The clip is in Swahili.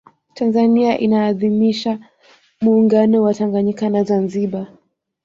tanzania inaadhimisha muungano wa tanganyika na zanzibar